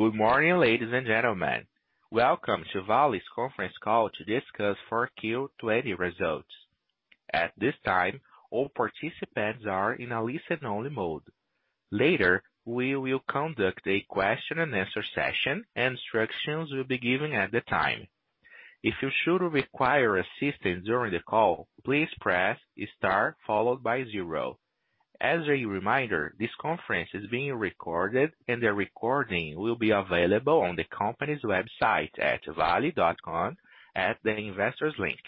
Good morning, ladies and gentlemen. Welcome to Vale's conference call to discuss Q4 2020 results. At this time, all participants are in a listen-only mode. Later, we will conduct a question and answer session, and instructions will be given at the time. If you should require assistance during the call, please press star followed by zero. As a reminder, this conference is being recorded and the recording will be available on the company's website at vale.com at the Investors link.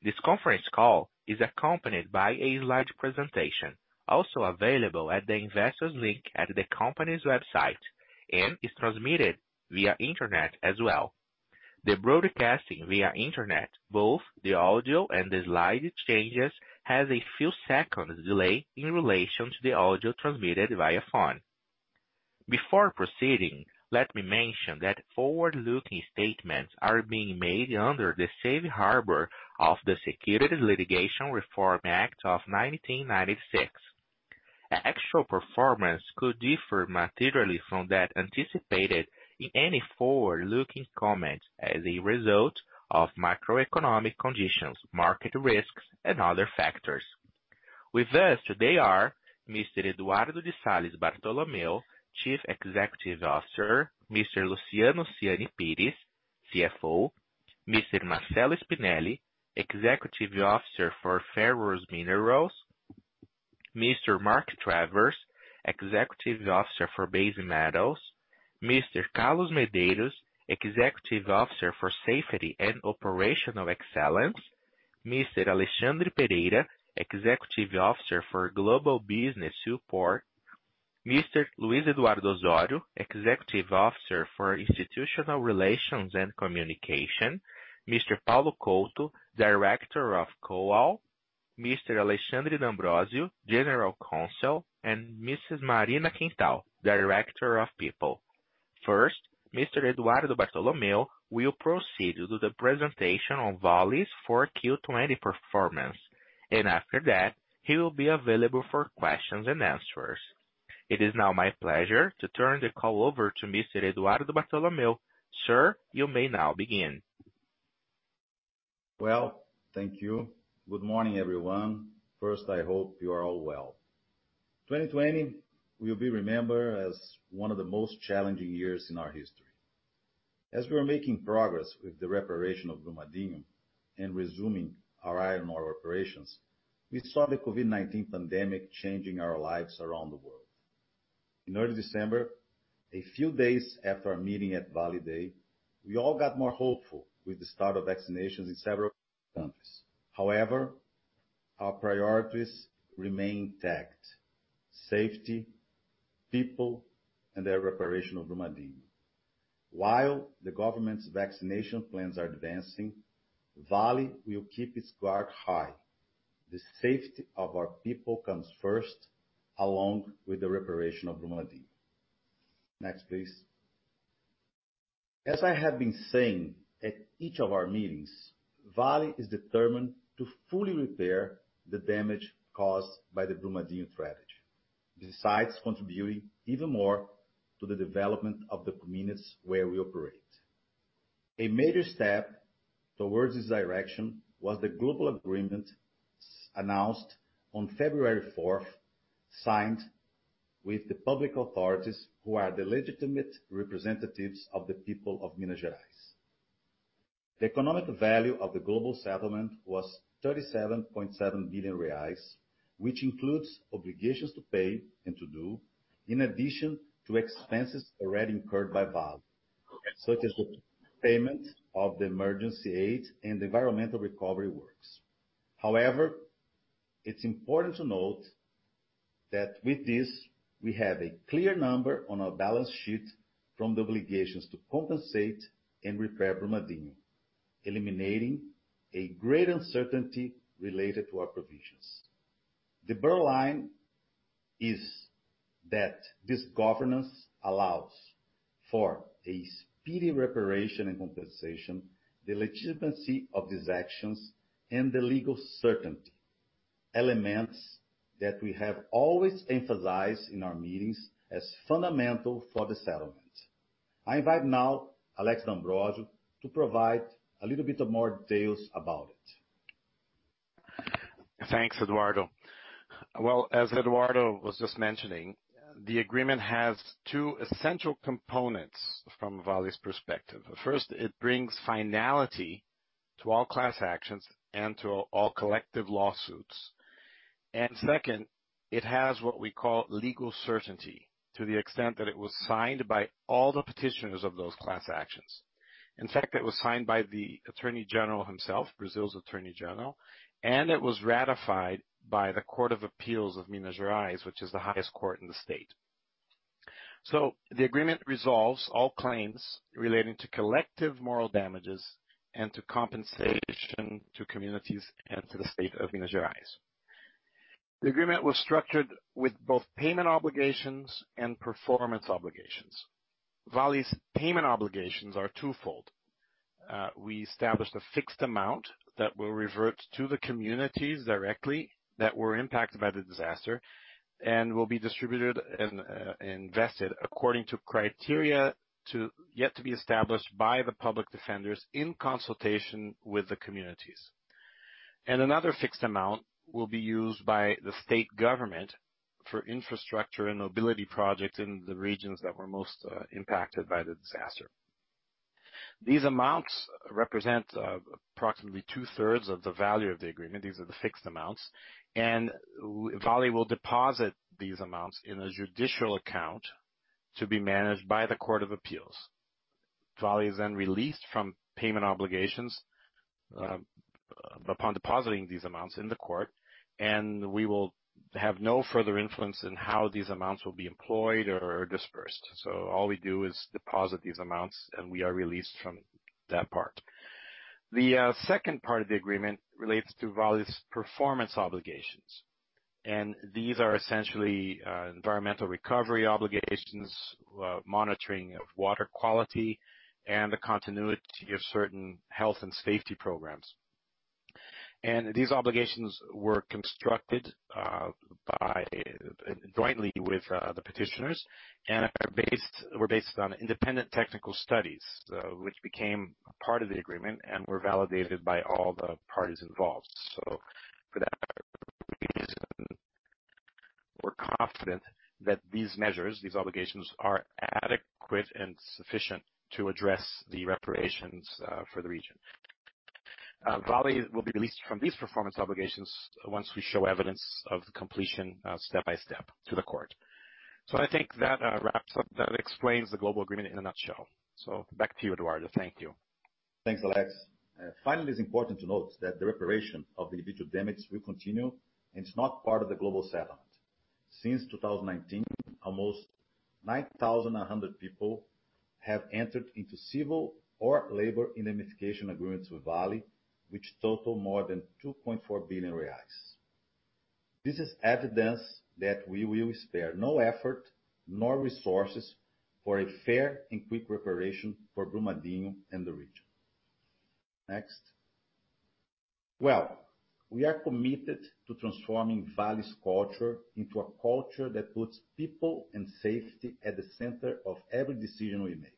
This conference call is accompanied by a slide presentation, also available at the Investors link at the company's website, and is transmitted via internet as well. The broadcasting via internet, both the audio and the slide exchanges, has a few seconds delay in relation to the audio transmitted via phone. Before proceeding, let me mention that forward-looking statements are being made under the safe harbor of the Private Securities Litigation Reform Act of 1995. Actual performance could differ materially from that anticipated in any forward-looking comment as a result of macroeconomic conditions, market risks, and other factors. With us today are Mr. Eduardo de Salles Bartolomeo, Chief Executive Officer, Mr. Luciano Siani Pires, CFO, Mr. Marcello Spinelli, Executive Officer for Ferrous Minerals, Mr. Mark Travers, Executive Officer for Base Metals, Mr. Carlos Medeiros, Executive Officer for Safety and Operational Excellence, Mr. Alexandre Pereira, Executive Officer for Global Business Support, Mr. Luiz Eduardo Osorio, Executive Officer for Institutional Relations and Communication, Mr. Paulo Couto, Director of Coal, Mr. Alexandre D'Ambrosio, General Counsel, and Mrs. Marina Quental, Director of People. First, Mr. Eduardo Bartolomeo will proceed to the presentation of Vale's 4Q20 performance, and after that, he will be available for questions and answers. It is now my pleasure to turn the call over to Mr. Eduardo Bartolomeo. Sir, you may now begin. Well, thank you. Good morning, everyone. First, I hope you are all well. 2020 will be remembered as one of the most challenging years in our history. As we were making progress with the reparation of Brumadinho and resuming our iron ore operations, we saw the COVID-19 pandemic changing our lives around the world. In early December, a few days after our meeting at Vale Day, we all got more hopeful with the start of vaccinations in several countries. However, our priorities remain intact, safety, people, and the reparation of Brumadinho. While the government's vaccination plans are advancing, Vale will keep its guard high. The safety of our people comes first, along with the reparation of Brumadinho. Next, please. As I have been saying at each of our meetings, Vale is determined to fully repair the damage caused by the Brumadinho tragedy. Besides contributing even more to the development of the communities where we operate. A major step towards this direction was the global agreement announced on February 4th, signed with the public authorities who are the legitimate representatives of the people of Minas Gerais. The economic value of the global settlement was 37.7 billion reais, which includes obligations to pay and to do, in addition to expenses already incurred by Vale, such as the payment of the emergency aid and environmental recovery works. However, it's important to note that with this, we have a clear number on our balance sheet from the obligations to compensate and repair Brumadinho, eliminating a great uncertainty related to our provisions. The bottom line is that this governance allows for a speedy reparation and compensation, the legitimacy of these actions, and the legal certainty. Elements that we have always emphasized in our meetings as fundamental for the settlement. I invite now Alex D'Ambrosio to provide a little bit more details about it. Thanks, Eduardo. Well, as Eduardo was just mentioning, the agreement has two essential components from Vale's perspective. First, it brings finality to all class actions and to all collective lawsuits. Second, it has what we call legal certainty to the extent that it was signed by all the petitioners of those class actions. In fact, it was signed by the Attorney General himself, Brazil's Attorney General, and it was ratified by the Court of Justice of the State of Minas Gerais, which is the highest court in the state. The agreement resolves all claims relating to collective moral damages and to compensation to communities and to the state of Minas Gerais. The agreement was structured with both payment obligations and performance obligations. Vale's payment obligations are twofold. We established a fixed amount that will revert to the communities directly that were impacted by the disaster, and will be distributed and invested according to criteria yet to be established by the public defenders in consultation with the communities. Another fixed amount will be used by the state government for infrastructure and mobility projects in the regions that were most impacted by the disaster. These amounts represent approximately two-thirds of the value of the agreement. These are the fixed amounts, and Vale will deposit these amounts in a judicial account to be managed by the Court of Appeals. Vale is then released from payment obligations upon depositing these amounts in the court, and we will have no further influence in how these amounts will be employed or dispersed. All we do is deposit these amounts, and we are released from that part. The second part of the agreement relates to Vale's performance obligations, and these are essentially environmental recovery obligations, monitoring of water quality, and the continuity of certain health and safety programs. These obligations were constructed jointly with the petitioners and were based on independent technical studies, which became part of the agreement and were validated by all the parties involved. For that reason, we're confident that these measures, these obligations, are adequate and sufficient to address the reparations for the region. Vale will be released from these performance obligations once we show evidence of the completion step by step to the court. I think that explains the global agreement in a nutshell. Back to you, Eduardo. Thank you. Thanks, Alex. Finally, it's important to note that the reparation of individual damage will continue and is not part of the global settlement. Since 2019, almost 9,100 people have entered into civil or labor indemnification agreements with Vale, which total more than 2.4 billion reais. This is evidence that we will spare no effort, nor resources, for a fair and quick reparation for Brumadinho and the region. Next. We are committed to transforming Vale's culture into a culture that puts people and safety at the center of every decision we make.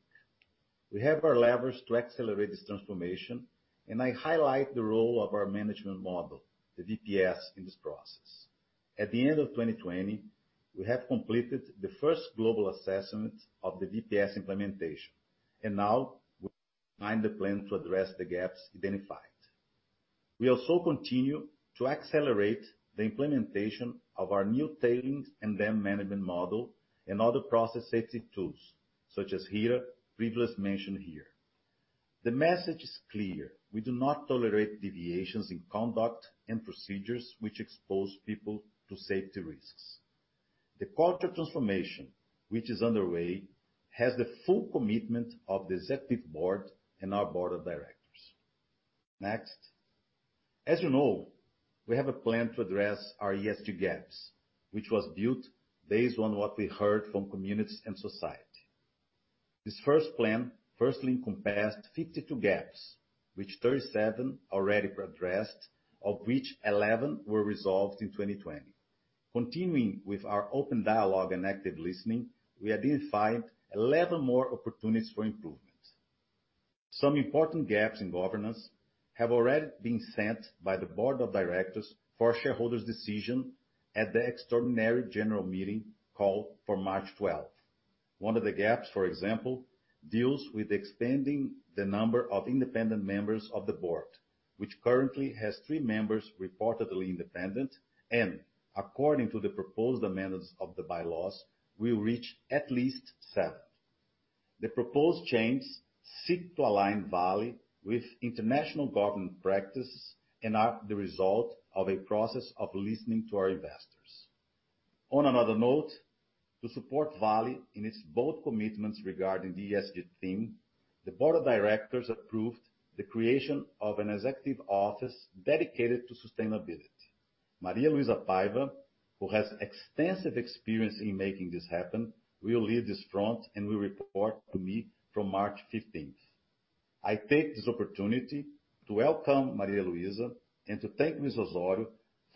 We have our levers to accelerate this transformation, and I highlight the role of our management model, the VPS, in this process. At the end of 2020, we have completed the first global assessment of the VPS implementation, and now we'll design the plan to address the gaps identified. We also continue to accelerate the implementation of our new tailings and dam management model and other process safety tools such as HIRA, previously mentioned here. The message is clear: We do not tolerate deviations in conduct and procedures which expose people to safety risks. The culture transformation which is underway has the full commitment of the executive board and our board of directors. Next. As you know, we have a plan to address our ESG gaps, which was built based on what we heard from communities and society. This first plan firstly encompassed 52 gaps, which 37 already addressed, of which 11 were resolved in 2020. Continuing with our open dialogue and active listening, we identified 11 more opportunities for improvement. Some important gaps in governance have already been sent by the board of directors for shareholders' decision at the extraordinary general meeting called for March 12th. One of the gaps, for example, deals with expanding the number of independent members of the board, which currently has three members reportedly independent and, according to the proposed amendments of the bylaws, will reach at least seven. The proposed changes seek to align Vale with international governance practices and are the result of a process of listening to our investors. On another note, to support Vale in its bold commitments regarding the ESG theme, the board of directors approved the creation of an executive office dedicated to sustainability. Maria Luiza Paiva, who has extensive experience in making this happen, will lead this front and will report to me from March 15th. I take this opportunity to welcome Maria Luiza and to thank Luis Osorio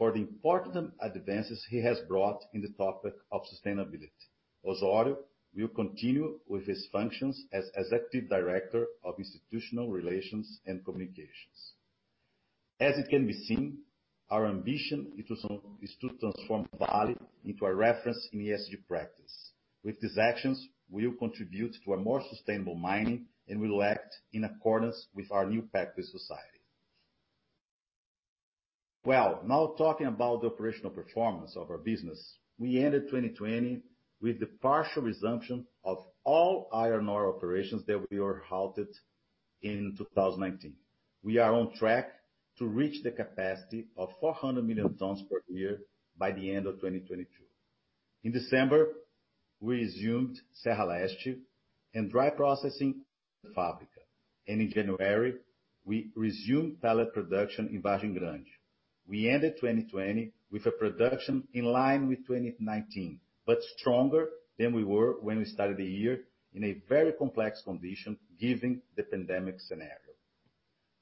for the important advances he has brought in the topic of sustainability. Osorio will continue with his functions as Executive Director of Institutional Relations and Communications. As it can be seen, our ambition is to transform Vale into a reference in ESG practice. With these actions, we will contribute to a more sustainable mining and will act in accordance with our new purpose society. Well, now talking about the operational performance of our business. We ended 2020 with the partial resumption of all iron ore operations that were halted in 2019. We are on track to reach the capacity of 400 million tons per year by the end of 2022. In December, we resumed Serra Leste and dry processing at Fábrica. In January, we resumed pellet production in Vargem Grande. We ended 2020 with a production in line with 2019, but stronger than we were when we started the year in a very complex condition, given the pandemic scenario.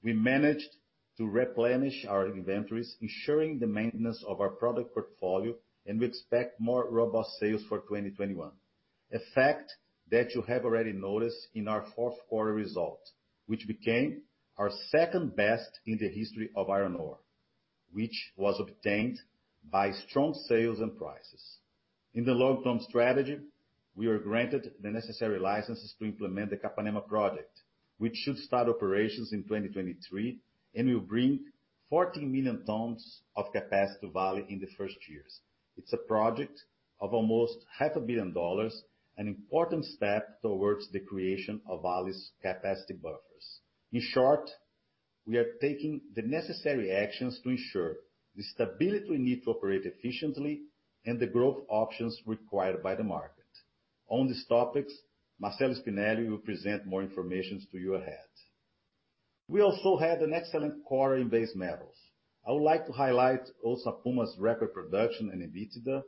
We managed to replenish our inventories, ensuring the maintenance of our product portfolio, and we expect more robust sales for 2021. A fact that you have already noticed in our Q4 result, which became our second best in the history of iron ore, which was obtained by strong sales and prices. In the long-term strategy, we were granted the necessary licenses to implement the Capanema project, which should start operations in 2023 and will bring 14 million tons of capacity to Vale in the first years. It's a project of almost half a billion dollars, an important step towards the creation of Vale's capacity buffers. In short, we are taking the necessary actions to ensure the stability we need to operate efficiently and the growth options required by the market. On these topics, Marcello Spinelli will present more information to you ahead. We also had an excellent quarter in base metals. I would like to highlight Onça Puma's record production and EBITDA.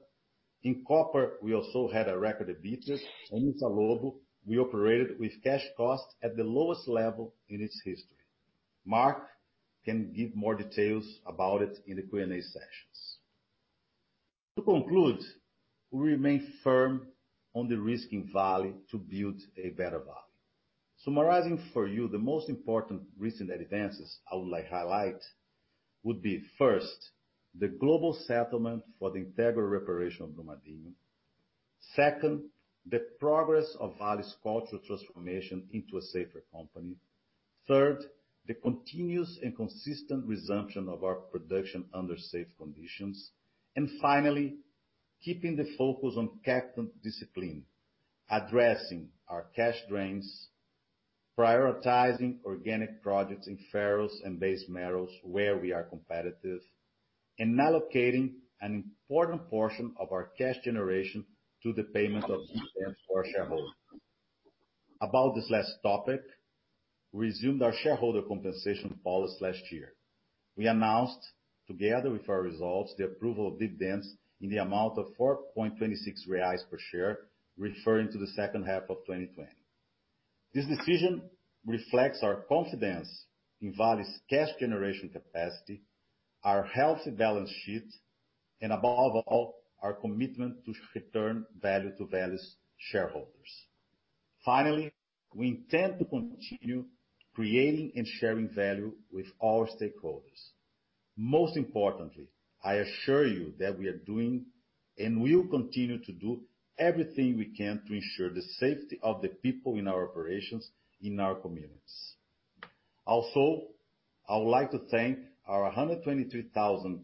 In copper, we also had a record EBITDA. In Salobo, we operated with cash cost at the lowest level in its history. Mark can give more details about it in the Q&A sessions. To conclude, we remain firm on de-risking Vale to build a better Vale. Summarizing for you the most important recent advances I would like highlight would be, first, the global settlement for the integral reparation of Brumadinho. Second, the progress of Vale's cultural transformation into a safer company. Third, the continuous and consistent resumption of our production under safe conditions. Finally, keeping the focus on capital discipline, addressing our cash drains, prioritizing organic projects in ferrous and base metals where we are competitive, and allocating an important portion of our cash generation to the payment of dividends for our shareholders. About this last topic, we resumed our shareholder compensation policy last year. We announced, together with our results, the approval of dividends in the amount of R$4.26 per share, referring to the H2 of 2020. This decision reflects our confidence in Vale's cash generation capacity, our healthy balance sheet, and above all, our commitment to return value to Vale's shareholders. Finally, we intend to continue creating and sharing value with all stakeholders. Most importantly, I assure you that we are doing and will continue to do everything we can to ensure the safety of the people in our operations in our communities. Also, I would like to thank our 123,000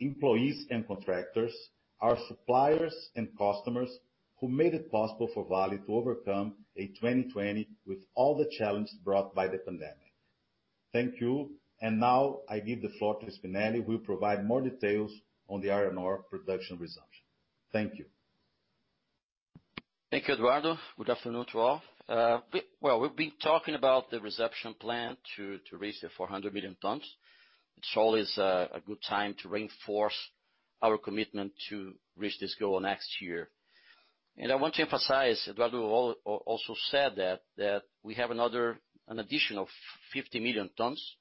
employees and contractors, our suppliers and customers who made it possible for Vale to overcome 2020 with all the challenges brought by the pandemic. Thank you. Now I give the floor to Spinelli, who will provide more details on the iron ore production resumption. Thank you. Thank you, Eduardo. Good afternoon to all. Well, we've been talking about the reception plan to raise the 400 million tons. It's always a good time to reinforce our commitment to reach this goal next year. I want to emphasize, Eduardo also said that we have an addition of 50 million tons.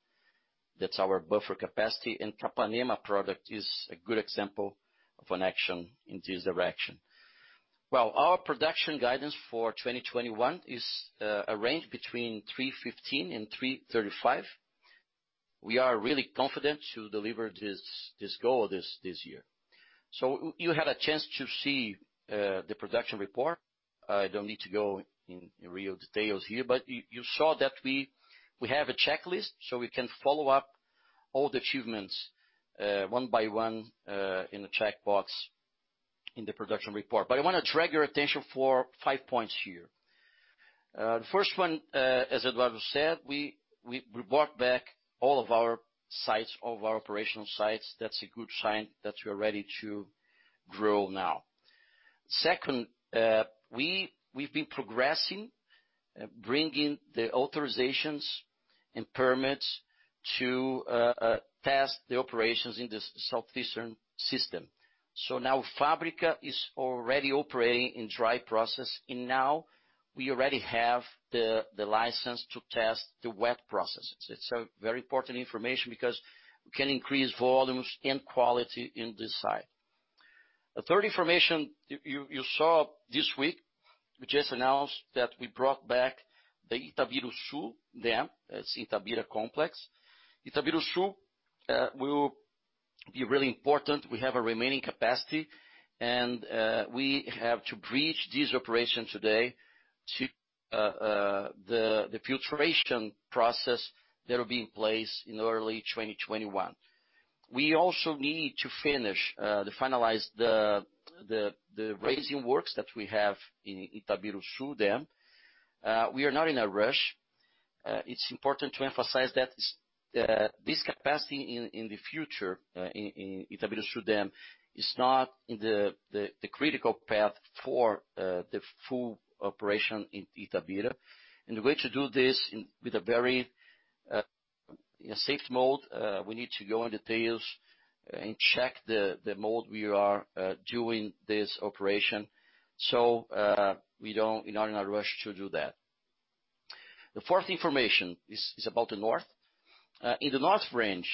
That's our buffer capacity, Capanema pro is a good example of an action in this direction. Well, our production guidance for 2021 is a range between 315 million tons and 335 million tons. We are really confident to deliver this goal this year. You had a chance to see the production report. I don't need to go in real details here, you saw that we have a checklist, we can follow up all the achievements one by one in the checkbox in the production report. I want to drag your attention for five points here. The first one, as Eduardo said, we brought back all of our operational sites. That's a good sign that we're ready to grow now. Second, we've been progressing, bringing the authorizations and permits to test the operations in the southeastern system. Now Fábrica is already operating in dry process, now we already have the license to test the wet processes. It's a very important information because we can increase volumes and quality in this site. The third information you saw this week, we just announced that we brought back the Itabiruçu dam. That's Itabira complex. Itabiruçu will be really important. We have a remaining capacity, we have to breach this operation today to the filtration process that will be in place in early 2021. We also need to finalize the raising works that we have in Itabiruçu dam. We are not in a rush. It's important to emphasize that this capacity in the future in Itabiruçu dam is not in the critical path for the full operation in Itabira. The way to do this in a safe mode, we need to go in details and check the mode we are doing this operation. We are not in a rush to do that. The fourth information is about the north. In the north range,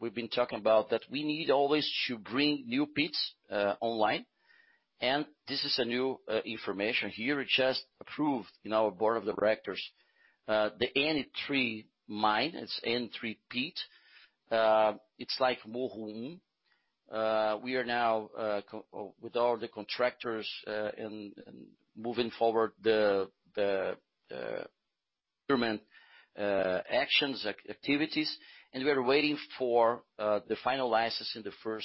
we've been talking about that we need always to bring new pits online. This is a new information here. We just approved in our board of the directors, the N3 mine, it's N3 pit. It's like Urucum. We are now with all the contractors, and moving forward the actions, activities, and we are waiting for the final license in the H1.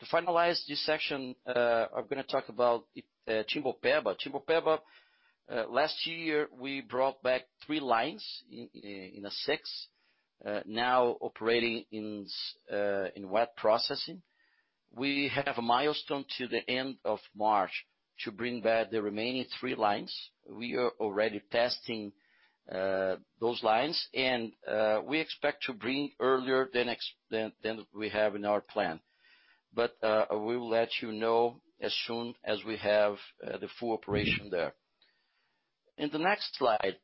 To finalize this section, I'm going to talk about Timbopeba. Timbopeba, last year we brought back three lines in six. Now operating in wet processing. We have a milestone to the end of March to bring back the remaining three lines. We are already testing those lines. We expect to bring earlier than we have in our plan. We will let you know as soon as we have the full operation there. In the next slide,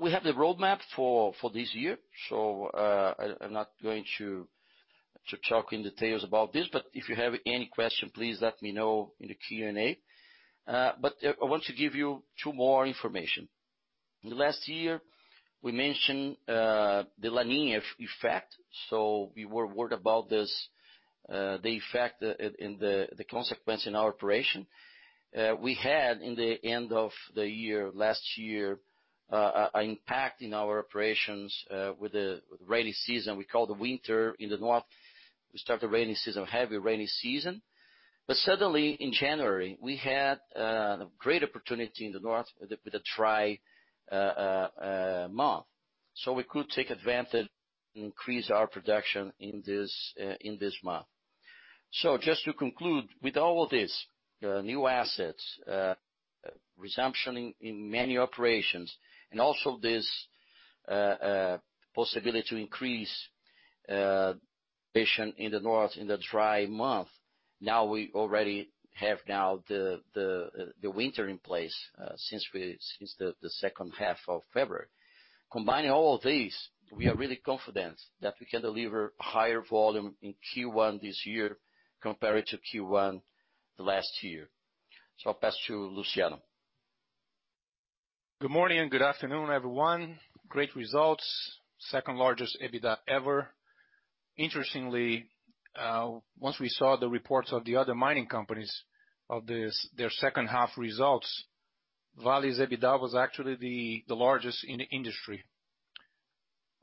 we have the roadmap for this year. I'm not going to talk in details about this, but if you have any question, please let me know in the Q&A. I want to give you two more information. In last year, we mentioned the La Niña effect. We were worried about this, the effect and the consequence in our operation. We had in the end of the year, last year, an impact in our operations, with the rainy season we call the winter in the north. We start the heavy rainy season. Suddenly in January, we had a great opportunity in the north with the dry month. We could take advantage and increase our production in this month. Just to conclude with all of this, new assets, resumption in many operations and also this possibility to increase in the north in the dry month. Now we already have the winter in place, since the H2 of February. Combining all of these, we are really confident that we can deliver higher volume in Q1 this year compared to Q1 last year. I'll pass to Luciano. Good morning and good afternoon, everyone. Great results. Second-largest EBITDA ever. Interestingly, once we saw the reports of the other mining companies of their H2 results, Vale's EBITDA was actually the largest in the industry.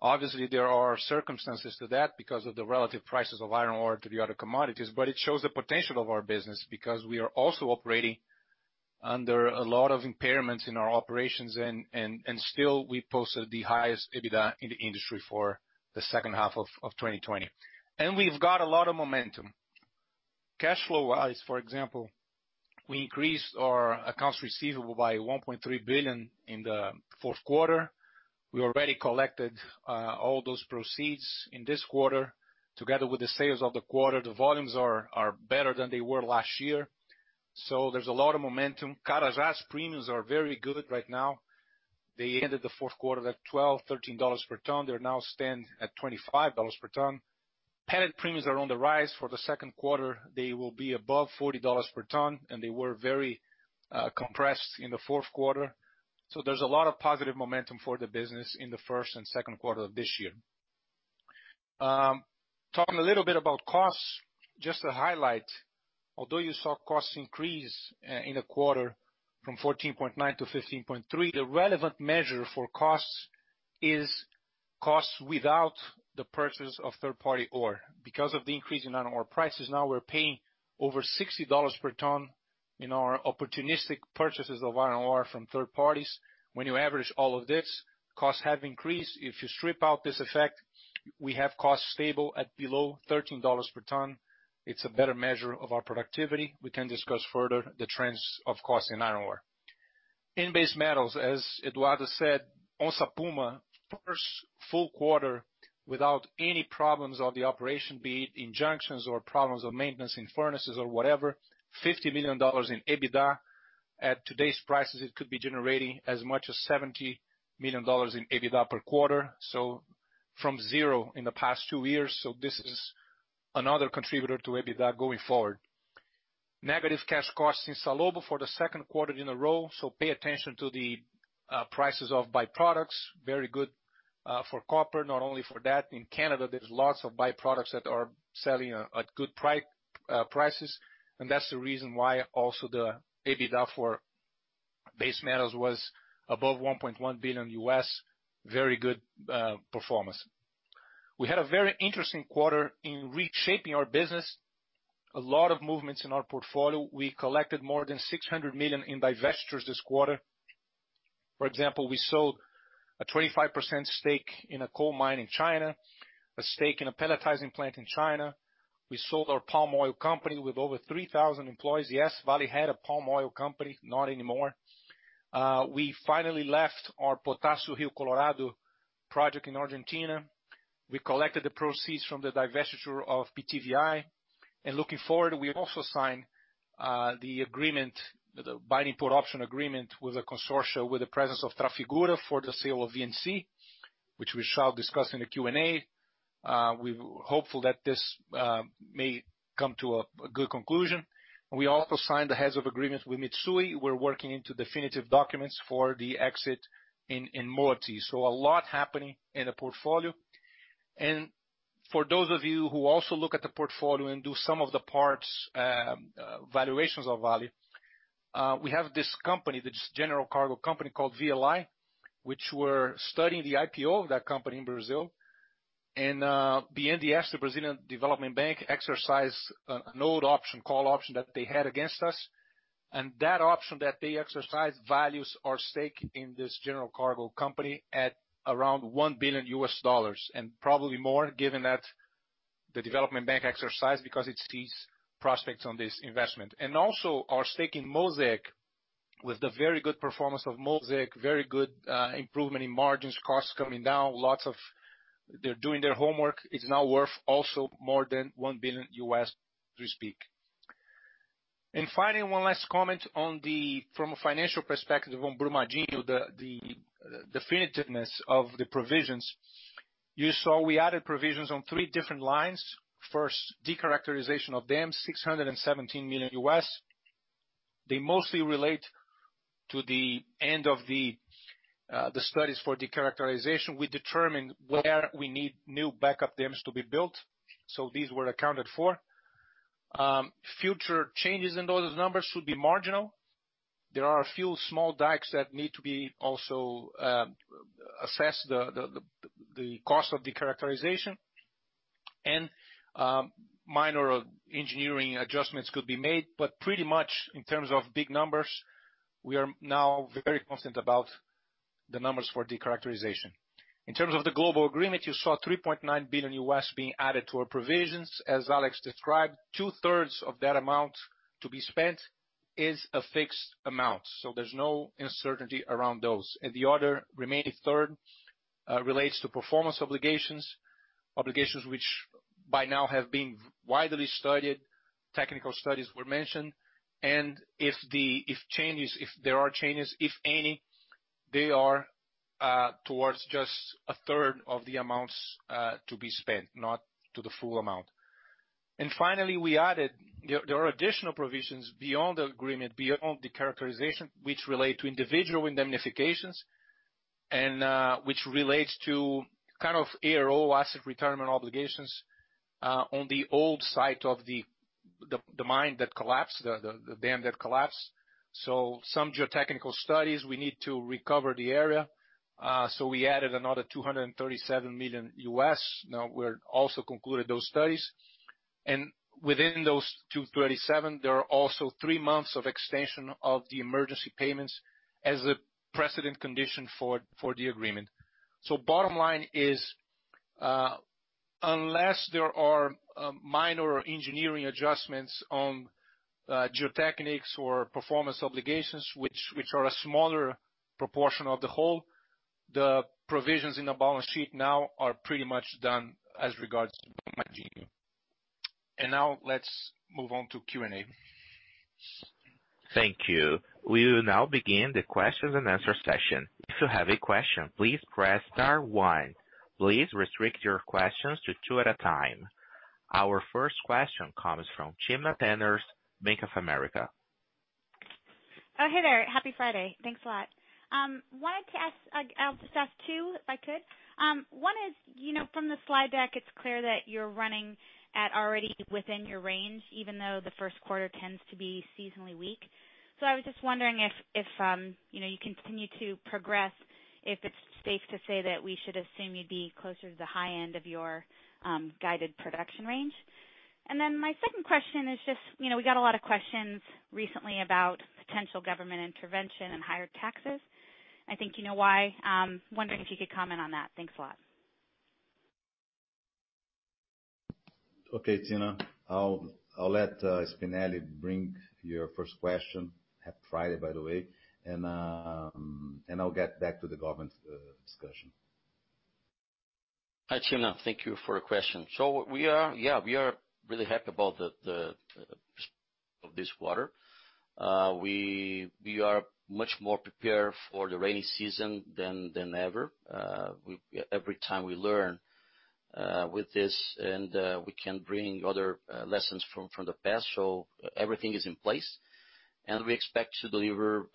Obviously, there are circumstances to that because of the relative prices of iron ore to the other commodities, but it shows the potential of our business because we are also operating under a lot of impairments in our operations and still we posted the highest EBITDA in the industry for the H2 of 2020. We've got a lot of momentum. Cashflow wise, for example, we increased our accounts receivable by 1.3 billion in the Q4. We already collected all those proceeds in this quarter together with the sales of the quarter. The volumes are better than they were last year, there's a lot of momentum. Carajás premiums are very good right now. They ended the Q4 at BRL 12, BRL 13 per ton. They now stand at BRL 25 per ton. Pellet premiums are on the rise. For the Q2, they will be above $40 per ton, and they were very compressed in the Q4. There's a lot of positive momentum for the business in the first and Q2 of this year. Talking a little bit about costs, just to highlight, although you saw costs increase in the quarter from 14.9-15.3, the relevant measure for costs is costs without the purchase of third party ore. Because of the increase in iron ore prices, now we're paying over $60 per ton in our opportunistic purchases of iron ore from third parties. When you average all of this, costs have increased. If you strip out this effect, we have costs stable at below $13 per ton. It's a better measure of our productivity. We can discuss further the trends of cost in iron ore. In base metals, as Eduardo said, Onça Puma first full quarter without any problems on the operation, be it injunctions or problems of maintenance in furnaces or whatever, $50 million in EBITDA. At today's prices, it could be generating as much as $70 million in EBITDA per quarter. From zero in the past two years, so this is another contributor to EBITDA going forward. Negative cash costs in Salobo for the Q2 in a row. Pay attention to the prices of byproducts. Very good for copper, not only for that. In Canada, there's lots of byproducts that are selling at good prices. That's the reason why also the EBITDA for base metals was above $1.1 billion. Very good performance. We had a very interesting quarter in reshaping our business. A lot of movements in our portfolio. We collected more than $600 million in divestitures this quarter. For example, we sold a 25% stake in a coal mine in China, a stake in a pelletizing plant in China. We sold our palm oil company with over 3,000 employees. Yes, Vale had a palm oil company, not anymore. We finally left our Potasio Río Colorado project in Argentina. We collected the proceeds from the divestiture of PTVI. Looking forward, we also signed the binding put option agreement with a consortia, with the presence of Trafigura for the sale of VNC, which we shall discuss in the Q&A. We're hopeful that this may come to a good conclusion. We also signed the heads of agreement with Mitsui. We're working into definitive documents for the exit in Moatize. A lot happening in the portfolio. For those of you who also look at the portfolio and do sum of the parts, valuations of Vale, we have this company, this general cargo company called VLI, which we're studying the IPO of that company in Brazil. BNDES, the Brazilian Development Bank, exercised an old option, call option that they had against us. That option that they exercised values our stake in this general cargo company at around $1 billion, and probably more given that the Development Bank exercised because it sees prospects on this investment. Also our stake in Mosaic, with the very good performance of Mosaic, very good improvement in margins, costs coming down. They're doing their homework. It's now worth also more than $1 billion, so to speak. Finally, one last comment from a financial perspective on Brumadinho, the definitiveness of the provisions. You saw we added provisions on three different lines. First, de-characterization of dams, $617 million. They mostly relate to the end of the studies for de-characterization. We determined where we need new backup dams to be built. These were accounted for. Future changes in those numbers should be marginal. There are a few small dikes that need to be also assessed, the cost of de-c.haracterization. Minor engineering adjustments could be made. Pretty much in terms of big numbers, we are now very confident about the numbers for de-characterization. In terms of the global agreement, you saw $3.9 billion being added to our provisions. As Alex described, two-thirds of that amount to be spent is a fixed amount, so there's no uncertainty around those. The other remaining third relates to performance obligations. Obligations which by now have been widely studied. Technical studies were mentioned. If there are changes, if any, they are towards just a third of the amounts to be spent, not to the full amount. Finally, we added, there are additional provisions beyond the agreement, beyond de-characterization, which relate to individual indemnifications and which relates to ARO, asset retirement obligations on the old site of the dam that collapsed. Some geotechnical studies, we need to recover the area. We added another $237 million. Now we're also concluded those studies. Within those 237, there are also three months of extension of the emergency payments as a precedent condition for the agreement. Bottom line is, unless there are minor engineering adjustments on geotechnics or performance obligations, which are a smaller proportion of the whole, the provisions in the balance sheet now are pretty much done as regards to Brumadinho. Now let's move on to Q&A. Thank you. We will now begin the questions and answer session. If you have a question, please press star one. Please restrict your questions to two at a time. Our first question comes from Timna Tanners, Bank of America. Oh, hey there. Happy Friday. Thanks a lot. Wanted to ask two, if I could. One is, from the slide deck, it's clear that you're running at already within your range, even though the Q1 tends to be seasonally weak. I was just wondering if you continue to progress, if it's safe to say that we should assume you'd be closer to the high end of your guided production range? My second question is just, we got a lot of questions recently about potential government intervention and higher taxes. I think you know why. I'm wondering if you could comment on that. Thanks a lot. Okay, Timna. I'll let Spinelli bring your first question. Happy Friday, by the way. I'll get back to the government discussion. Hi, Timna. Thank you for your question. We are really happy about the progress of this quarter. We are much more prepared for the rainy season than ever. Every time we learn with this and we can bring other lessons from the past. Everything is in place, and we expect to deliver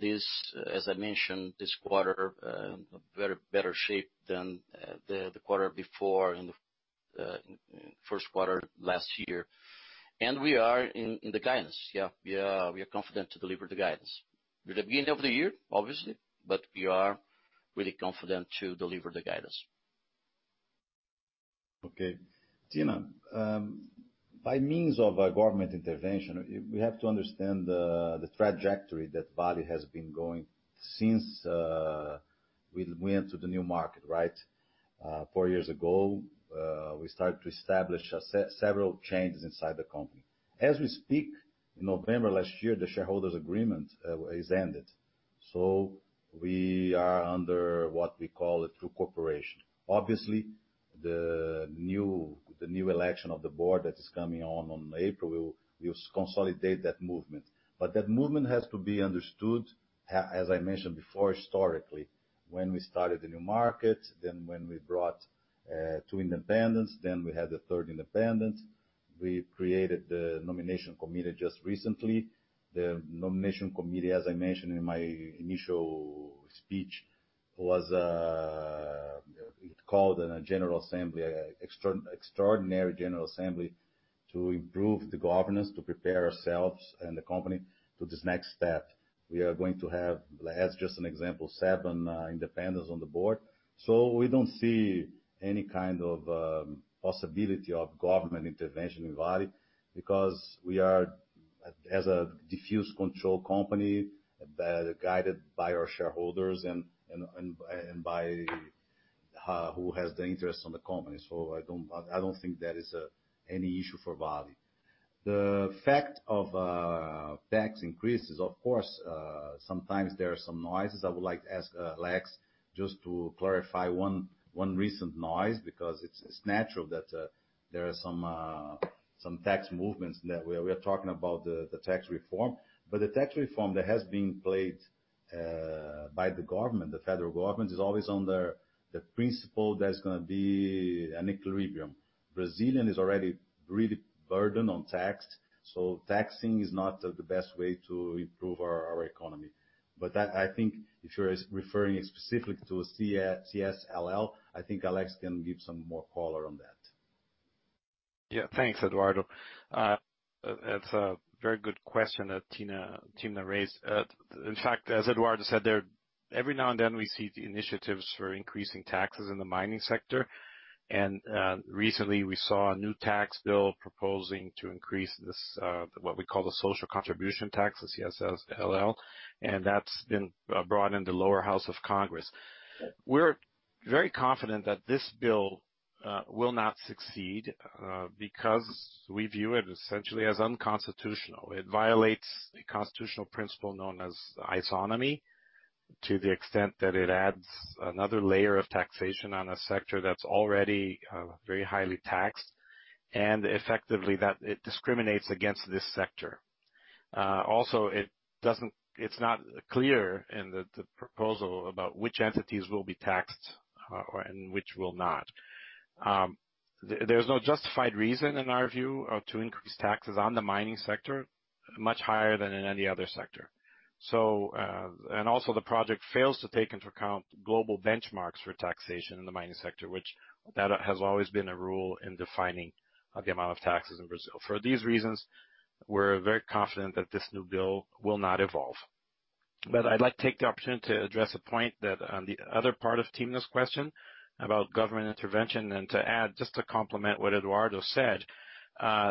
this, as I mentioned, this quarter, better shape than the quarter before and the Q1 last year. We are in the guidance. Yeah, we are confident to deliver the guidance. We're the beginning of the year, obviously, but we are really confident to deliver the guidance. Okay. Timna, by means of a government intervention, we have to understand the trajectory that Vale has been going since. We went to the Novo Mercado right four years ago. We started to establish several changes inside the company. As we speak, in November last year, the shareholders agreement has ended. We are under what we call a true corporation. Obviously, the new election of the board that is coming on April, will consolidate that movement. That movement has to be understood, as I mentioned before, historically. When we started the Novo Mercado, then when we brought two independents, then we had the third independent, we created the nomination committee just recently. The nomination committee, as I mentioned in my initial speech, was called in a general assembly, extraordinary general assembly, to improve the governance, to prepare ourselves and the company to this next step. We are going to have, as just an example, seven independents on the board. We don't see any kind of possibility of government intervention in Vale, because we are, as a diffuse control company, guided by our shareholders and by who has the interest in the company. I don't think that is any issue for Vale. The fact of tax increases, of course, sometimes there are some noises. I would like to ask Alex just to clarify one recent noise, because it's natural that there are some tax movements that we are talking about the tax reform. The tax reform that has been played by the government, the federal government, is always under the principle there's gonna be an equilibrium. Brazilian is already really burdened on tax, so taxing is not the best way to improve our economy. That, I think, if you're referring specifically to CSLL, I think Alex can give some more color on that. Yeah. Thanks, Eduardo. It's a very good question that Timna raised. In fact, as Eduardo said, every now and then we see initiatives for increasing taxes in the mining sector. Recently we saw a new tax bill proposing to increase this, what we call the social contribution tax, the CSLL, and that's been brought in the lower house of Congress. We're very confident that this bill will not succeed, because we view it essentially as unconstitutional. It violates a constitutional principle known as isonomy, to the extent that it adds another layer of taxation on a sector that's already very highly taxed, and effectively that it discriminates against this sector. Also, it's not clear in the proposal about which entities will be taxed and which will not. There's no justified reason, in our view, to increase taxes on the mining sector much higher than in any other sector. Also, the project fails to take into account global benchmarks for taxation in the mining sector, which that has always been a rule in defining the amount of taxes in Brazil. For these reasons, we're very confident that this new bill will not evolve. I'd like to take the opportunity to address a point that on the other part of Timna's question about government intervention, and to add, just to complement what Eduardo said.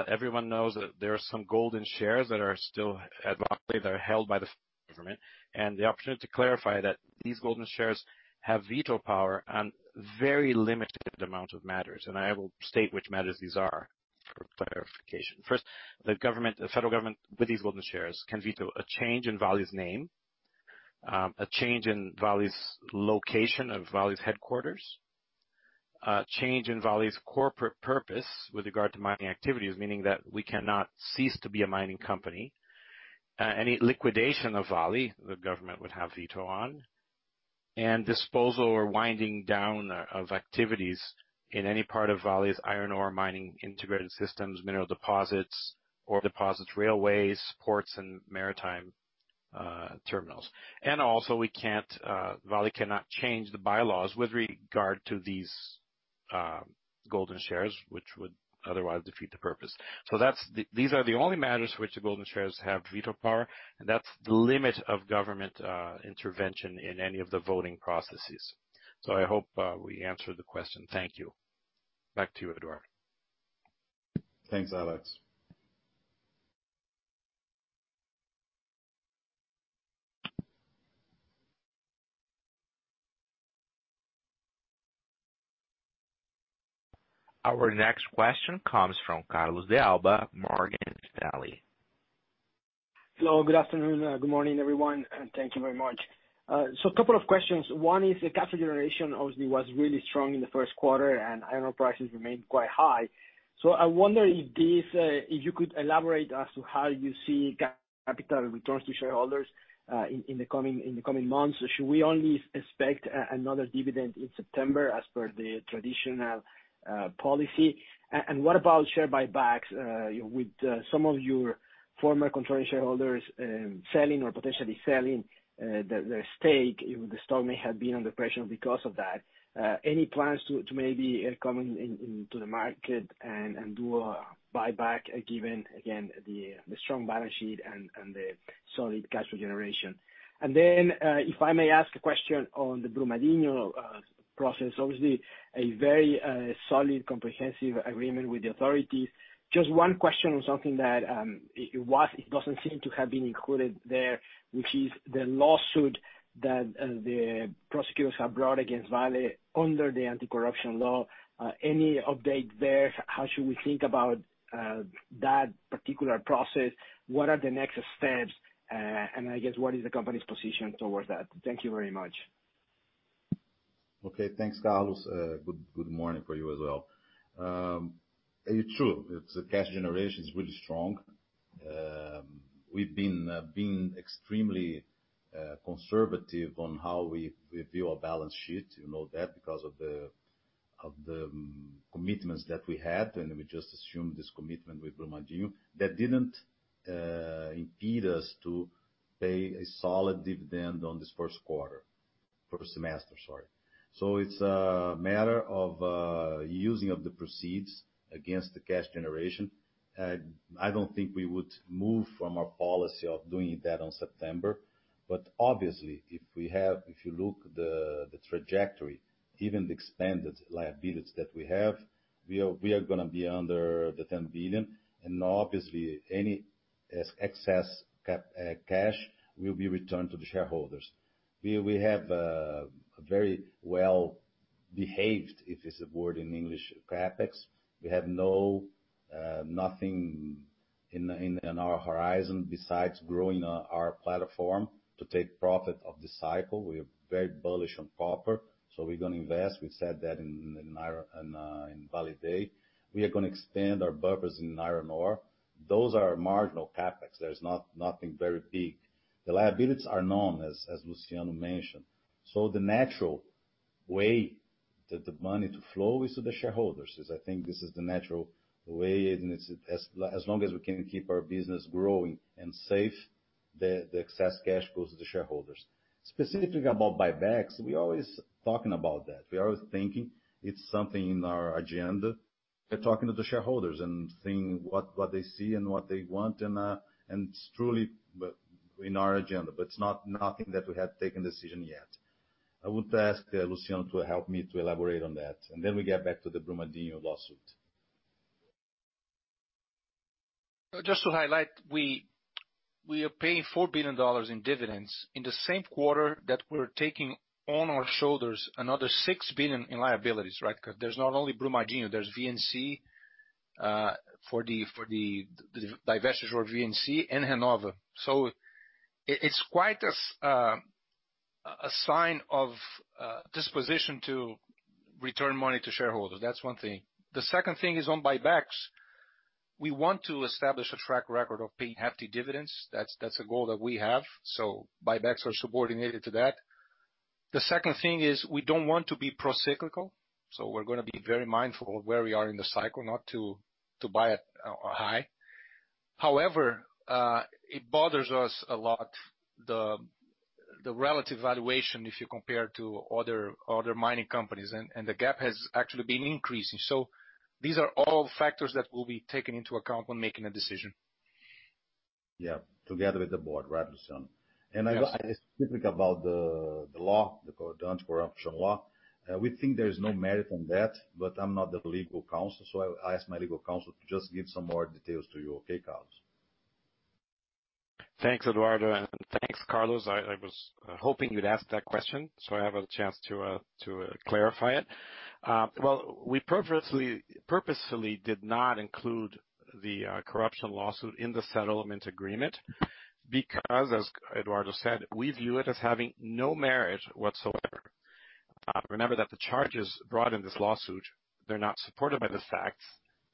Everyone knows that there are some golden shares that are still, at Vale, they're held by the government. The opportunity to clarify that these golden shares have veto power on very limited amount of matters, and I will state which matters these are for clarification. First, the federal government with these golden shares can veto a change in Vale's name, a change in Vale's location of Vale's headquarters, a change in Vale's corporate purpose with regard to mining activities, meaning that we cannot cease to be a mining company. Disposal or winding down of activities in any part of Vale's iron ore, mining integrated systems, mineral deposits or deposits railways, ports, and maritime terminals. Also, Vale cannot change the bylaws with regard to these golden shares, which would otherwise defeat the purpose. These are the only matters which the golden shares have veto power, and that's the limit of government intervention in any of the voting processes. I hope we answered the question. Thank you. Back to you, Eduardo. Thanks, Alex. Our next question comes from Carlos de Alba, Morgan Stanley. Hello. Good afternoon. Good morning, everyone. Thank you very much. A couple of questions. One is the capital generation obviously was really strong in the Q1, and iron ore prices remained quite high. I wonder if you could elaborate as to how you see capital returns to shareholders in the coming months. Should we only expect another dividend in September as per the traditional policy? What about share buybacks? With some of your former controlling shareholders selling or potentially selling their stake, the stock may have been under pressure because of that. Any plans to maybe come into the market and do a buyback, given, again, the strong balance sheet and the solid cash flow generation? If I may ask a question on the Brumadinho process, obviously a very solid comprehensive agreement with the authorities. Just one question on something that it doesn't seem to have been included there, which is the lawsuit that the prosecutors have brought against Vale under the anti-corruption law. Any update there? How should we think about that particular process? What are the next steps? I guess what is the company's position towards that? Thank you very much. Okay. Thanks, Carlos. Good morning for you as well. It's true, the cash generation is really strong. We've been extremely conservative on how we view our balance sheet, you know that because of the commitments that we had, and we just assumed this commitment with Brumadinho, that didn't impede us to pay a solid dividend on this Q1. First semester, sorry. It's a matter of using up the proceeds against the cash generation. I don't think we would move from our policy of doing that on September. Obviously, if you look at the trajectory, even the expanded liabilities that we have, we are going to be under the $10 billion, and obviously any excess cash will be returned to the shareholders. We have a very well-behaved, if it's a word in English, CapEx. We have nothing in our horizon besides growing our platform to take profit of this cycle. We are very bullish on copper, so we're going to invest. We said that in Vale Day. We are going to expand our buffers in iron ore. Those are marginal CapEx. There's nothing very big. The liabilities are known, as Luciano mentioned. The natural way that the money to flow is to the shareholders, as I think this is the natural way, and as long as we can keep our business growing and safe, the excess cash goes to the shareholders. Specifically about buybacks, we're always talking about that. We're always thinking it's something in our agenda. We're talking to the shareholders and seeing what they see and what they want, and it's truly in our agenda. It's nothing that we have taken decision yet. I would ask Luciano to help me to elaborate on that, and then we get back to the Brumadinho lawsuit. Just to highlight, we are paying $4 billion in dividends in the same quarter that we're taking on our shoulders another $6 billion in liabilities, right? There's not only Brumadinho, there's VNC, for the divestiture of VNC and Renova. It's quite a sign of disposition to return money to shareholders. That's one thing. The second thing is on buybacks. We want to establish a track record of paying hefty dividends. That's a goal that we have. Buybacks are subordinated to that. The second thing is we don't want to be pro-cyclical, so we're gonna be very mindful of where we are in the cycle not to buy at a high. However, it bothers us a lot, the relative valuation, if you compare to other mining companies, and the gap has actually been increasing. These are all factors that will be taken into account when making a decision. Yeah. Together with the board, right, Luciano? Yes. Specifically about the law, the anti-corruption law, we think there is no merit on that, but I'm not the legal counsel, so I ask my legal counsel to just give some more details to you, okay, Carlos? Thanks, Eduardo, and thanks, Carlos. I was hoping you'd ask that question, so I have a chance to clarify it. Well, we purposefully did not include the corruption lawsuit in the settlement agreement because, as Eduardo said, we view it as having no merit whatsoever. Remember that the charges brought in this lawsuit, they are not supported by the facts,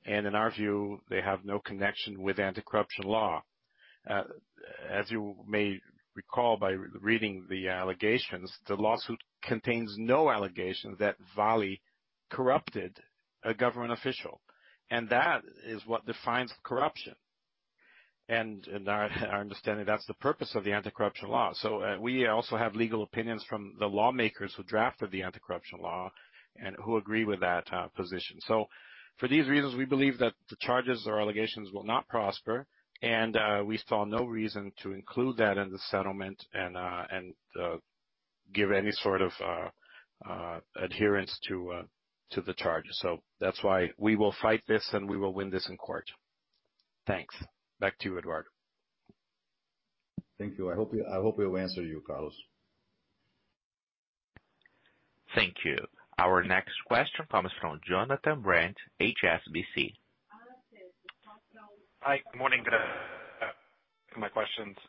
and in our view, they have no connection with Anti-Corruption Law. As you may recall by reading the allegations, the lawsuit contains no allegations that Vale corrupted a government official, and that is what defines corruption. In our understanding, that is the purpose of the Anti-Corruption Law. We also have legal opinions from the lawmakers who drafted the Anti-Corruption Law and who agree with that position. For these reasons, we believe that the charges or allegations will not prosper, and we saw no reason to include that in the settlement and give any sort of adherence to the charges. That's why we will fight this, and we will win this in court. Thanks. Back to you, Eduardo. Thank you. I hope we answered you, Carlos. Thank you. Our next question comes from Jonathan Brent, HSBC. Hi. Morning, good. My questions.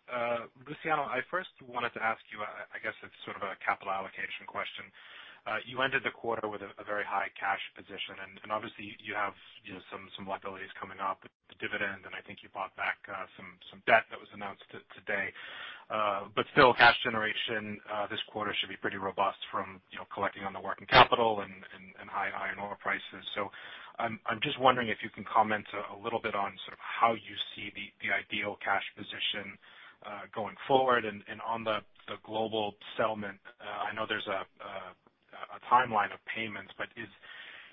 Luciano, I first wanted to ask you, I guess it's sort of a capital allocation question. Obviously you have some liabilities coming up, the dividend, and I think you bought back some debt that was announced today. Still, cash generation this quarter should be pretty robust from collecting on the working capital and high iron ore prices. I'm just wondering if you can comment a little bit on how you see the ideal cash position going forward and on the global settlement. I know there's a timeline of payments,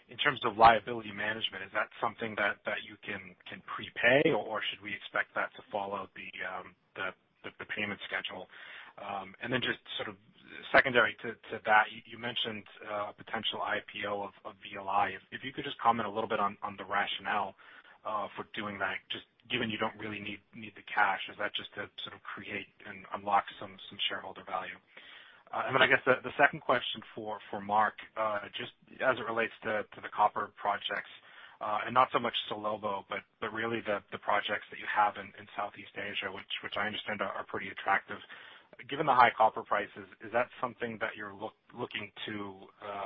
in terms of liability management, is that something that you can prepay, or should we expect that to follow the payment schedule. Just sort of secondary to that, you mentioned a potential IPO of VLI. If you could just comment a little bit on the rationale for doing that, just given you don't really need the cash. Is that just to sort of create and unlock some shareholder value? Then I guess the second question for Mark, just as it relates to the copper projects, and not so much Salobo, but really the projects that you have in Southeast Asia, which I understand are pretty attractive. Given the high copper prices, is that something that you're looking to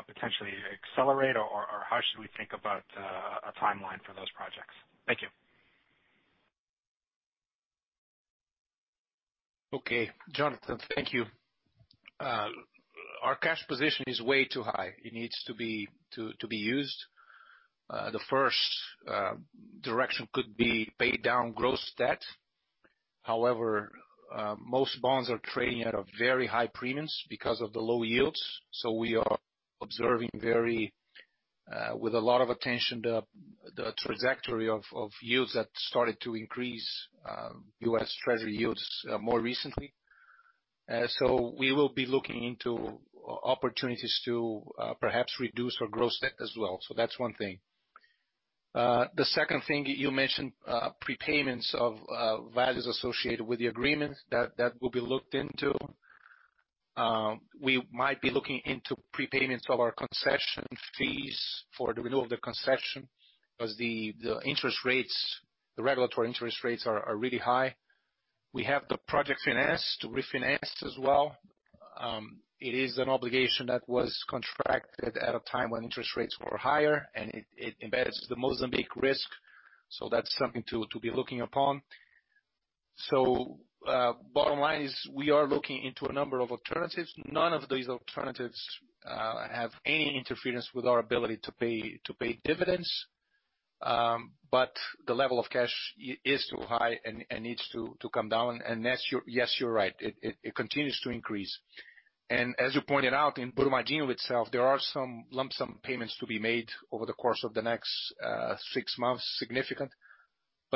potentially accelerate, or how should we think about a timeline for those projects? Thank you. Jonathan, thank you. Our cash position is way too high. It needs to be used. The first direction could be pay down gross debt. Most bonds are trading at a very high premiums because of the low yields. We are observing with a lot of attention, the trajectory of yields that started to increase U.S. Treasury yields more recently. We will be looking into opportunities to perhaps reduce our gross debt as well. That's one thing. The second thing you mentioned, prepayments of values associated with the agreement. That will be looked into. We might be looking into prepayments of our concession fees for the renewal of the concession because the regulatory interest rates are really high. We have the project finance to refinance as well. It is an obligation that was contracted at a time when interest rates were higher, and it embeds the Mozambique risk. That's something to be looking upon. Bottom line is we are looking into a number of alternatives. None of these alternatives have any interference with our ability to pay dividends. The level of cash is too high and needs to come down. Yes, you're right. It continues to increase. As you pointed out, in Brumadinho itself, there are some lump sum payments to be made over the course of the next six months, significant.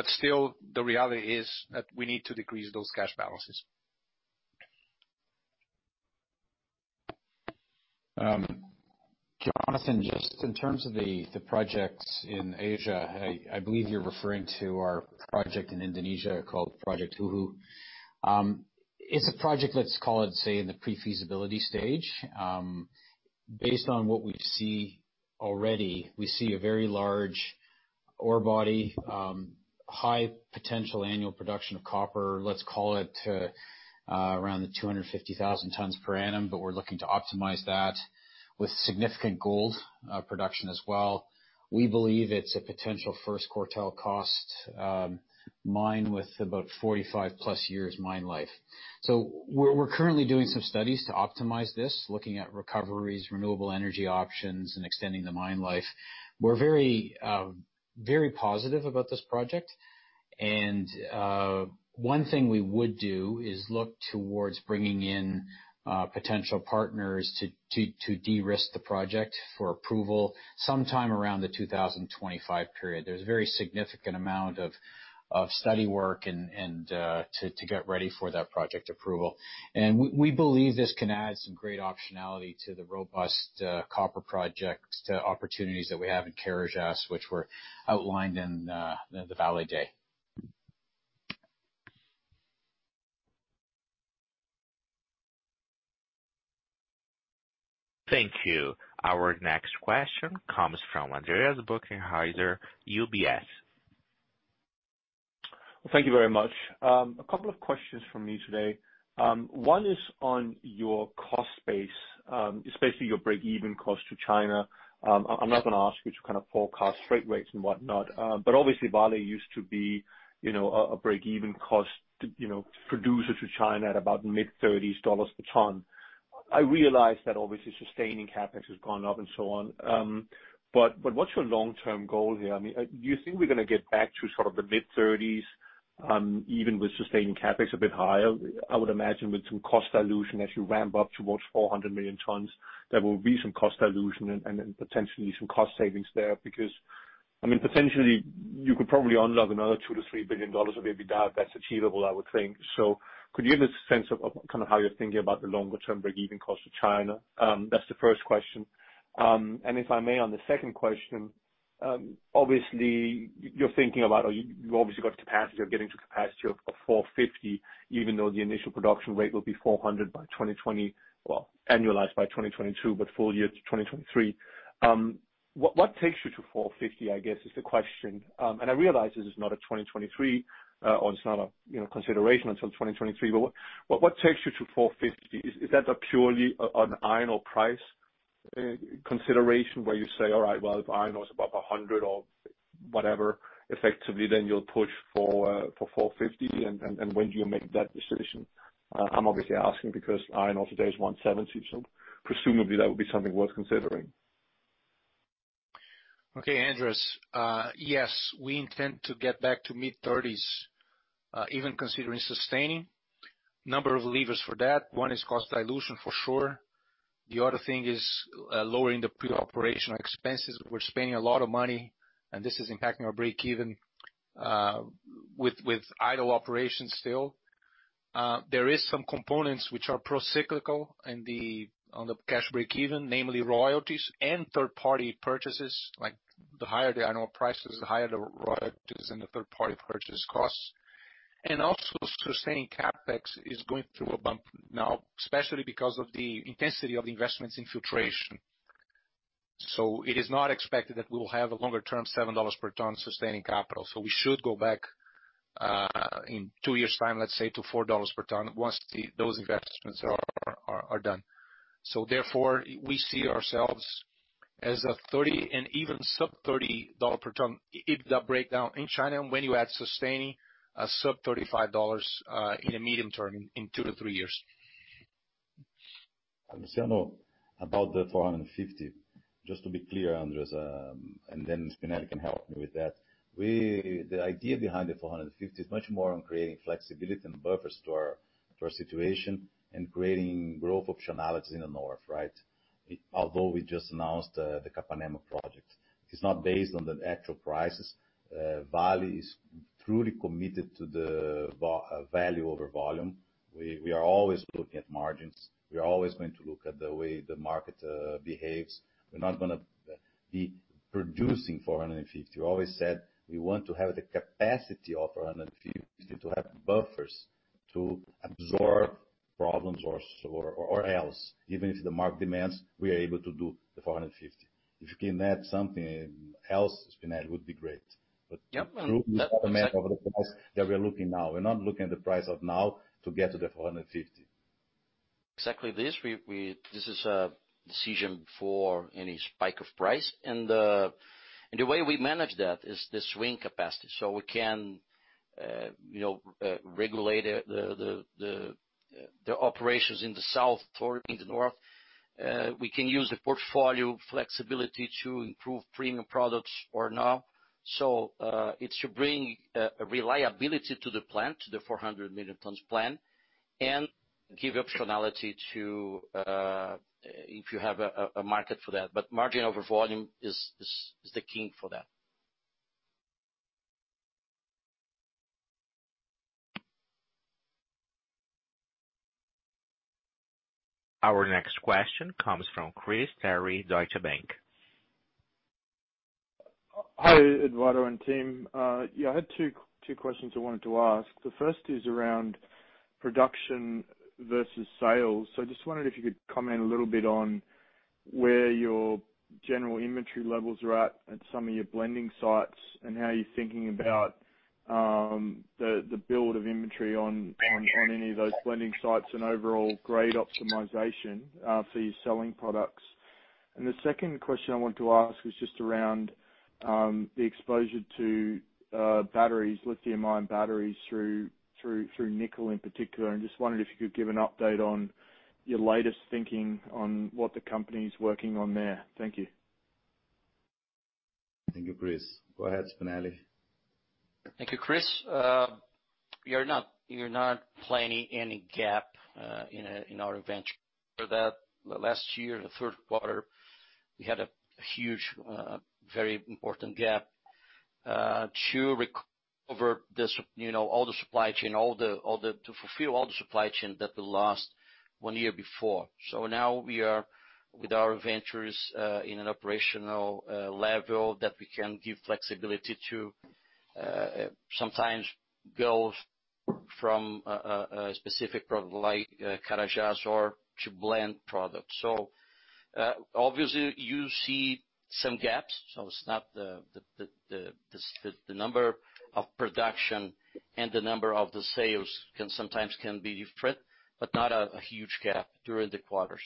Still, the reality is that we need to decrease those cash balances. Jonathan, just in terms of the projects in Asia, I believe you are referring to our project in Indonesia called Project Hu'u. It is a project, let us call it, say, in the pre-feasibility stage. Based on what we see already, we see a very large ore body, high potential annual production of copper, let us call it around the 250,000 tons per annum. We are looking to optimize that with significant gold production as well. We believe it is a potential first quartile cost mine with about 45+ years mine life. We are currently doing some studies to optimize this, looking at recoveries, renewable energy options, and extending the mine life. We are very positive about this project. One thing we would do is look towards bringing in potential partners to de-risk the project for approval sometime around the 2025 period. There's a very significant amount of study work and to get ready for that project approval. We believe this can add some great optionality to the robust copper projects opportunities that we have in Carajás, which were outlined in the Vale Day. Thank you. Our next question comes from Andreas Bokkenheuser, UBS. Thank you very much. A couple of questions from me today. One is on your cost base, especially your break-even cost to China. Obviously Vale used to be a break-even cost producer to China at about mid-30s dollars per ton. I realize that obviously sustaining CapEx has gone up and so on. What's your long-term goal here? I mean, do you think we're gonna get back to sort of the mid-30s, even with sustaining CapEx a bit higher? I would imagine with some cost dilution as you ramp up towards 400 million tons, there will be some cost dilution and then potentially some cost savings there, because potentially you could probably unlock another $2 billion-$3 billion of EBITDA. That's achievable, I would think. Could you give us a sense of kind of how you're thinking about the longer-term break-even cost to China? That's the first question. If I may, on the second question, obviously you're thinking about, or you obviously got capacity or getting to capacity of 450, even though the initial production rate will be 400 annualized by 2022, but full year to 2023. What takes you to 450, I guess, is the question? I realize this is not a 2023, or it's not a consideration until 2023. What takes you to 450? Is that a purely an iron ore price consideration where you say, all right, well, if iron ore is above 100 or whatever, effectively then you'll push for 450? When do you make that decision? I'm obviously asking because iron ore today is $170, so presumably that would be something worth considering. Okay, Andreas. Yes, we intend to get back to mid thirties, even considering sustaining. Number of levers for that. One is cost dilution for sure. The other thing is lowering the pre-operational expenses. We're spending a lot of money, and this is impacting our break even with idle operations still. There is some components which are pro-cyclical on the cash break even, namely royalties and third-party purchases, like the higher the annual prices, the higher the royalties and the third-party purchase costs. Also sustaining CapEx is going through a bump now, especially because of the intensity of the investments in filtration. It is not expected that we'll have a longer-term $7 per ton sustaining capital. We should go back in two years' time, let's say, to $4 per ton once those investments are done. Therefore, we see ourselves as a 30 and even sub-$30 per ton EBITDA breakdown in China, and when you add sustaining, a sub-$35 in the medium term in 2-3 years. Luciano, about the 450, just to be clear, Andreas, and then Spinelli can help me with that. The idea behind the 450 is much more on creating flexibility and buffers to our situation and creating growth optionality in the North, right? Although we just announced the Capanema project. It's not based on the actual prices. Vale is truly committed to the value over volume. We are always looking at margins. We are always going to look at the way the market behaves. We're not going to be producing 450. We always said we want to have the capacity of 450 to have buffers to absorb problems or else, even if the market demands, we are able to do the 450. If you can add something else, Spinelli, it would be great. Yep. Through this element of the price that we are looking now, we're not looking at the price of now to get to the 450. Exactly this. This is a decision before any spike of price. The way we manage that is the swing capacity. We can regulate the operations in the South or in the North. We can use the portfolio flexibility to improve premium products or not. It should bring a reliability to the plan, to the 400 million tons plan, and give optionality if you have a market for that. Margin over volume is the key for that. Our next question comes from Chris Terry, Deutsche Bank. Hi, Eduardo and team. I had two questions I wanted to ask. The first is around production versus sales. I just wondered if you could comment a little bit on where your general inventory levels are at at some of your blending sites, and how you're thinking about the build of inventory on any of those blending sites and overall grade optimization for your selling products. The second question I wanted to ask was just around the exposure to batteries, lithium-ion batteries through nickel in particular. I just wondered if you could give an update on your latest thinking on what the company's working on there. Thank you. Thank you, Chris. Go ahead, Spinelli. Thank you, Chris. We are not planning any gap in our inventory for that. Last year, the Q3, we had a huge, very important gap to recover all the supply chain, to fulfill all the supply chain that we lost one year before. Now we are with our inventories in an operational level that we can give flexibility to sometimes go from a specific product like Carajás or to blend product. Obviously you see some gaps. It's not the number of production and the number of the sales can sometimes be different, but not a huge gap during the quarters.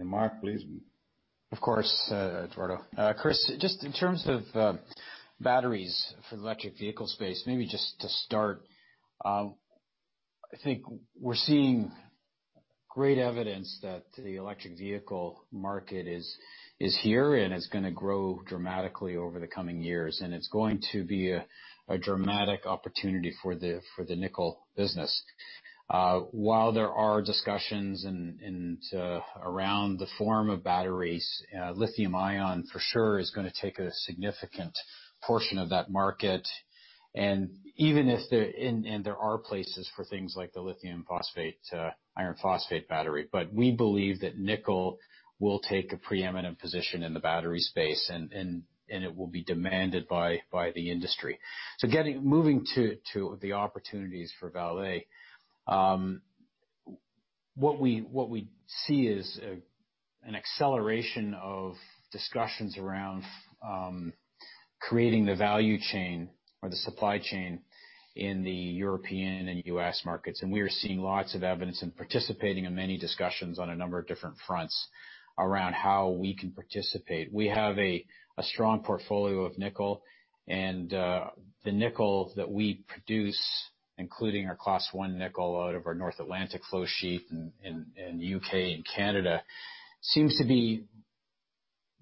Mark, please. Of course, Eduardo. Chris, just in terms of batteries for the electric vehicle space, maybe just to start, I think we're seeing great evidence that the electric vehicle market is here and is going to grow dramatically over the coming years. It's going to be a dramatic opportunity for the nickel business. While there are discussions around the form of batteries, lithium-ion for sure is going to take a significant portion of that market. There are places for things like the lithium phosphate, iron phosphate battery. We believe that nickel will take a preeminent position in the battery space, and it will be demanded by the industry. Moving to the opportunities for Vale, what we see is an acceleration of discussions around creating the value chain or the supply chain in the European and U.S. markets. We are seeing lots of evidence and participating in many discussions on a number of different fronts around how we can participate. We have a strong portfolio of nickel, and the nickel that we produce, including our Class 1 nickel out of our North Atlantic flow sheet in U.K. and Canada, seems to be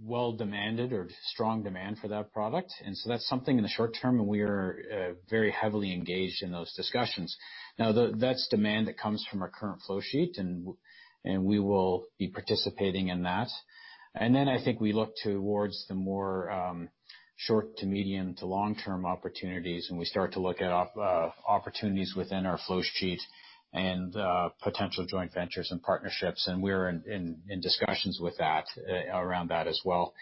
well demanded or strong demand for that product. That's something in the short term, and we are very heavily engaged in those discussions. That's demand that comes from our current flow sheet, and we will be participating in that. I think we look towards the more short to medium to long-term opportunities, and we start to look at opportunities within our flow sheet and potential joint ventures and partnerships, and we're in discussions around that as well.